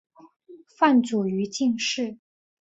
范祖禹进士。